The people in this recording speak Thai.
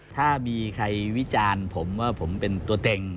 ถ้ามีใครวิจารณ์ผมว่าผมเป็นตัวเต็ง